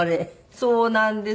そうなんです。